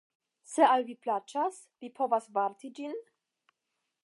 Se al vi plaĉas, vi povas varti ĝin?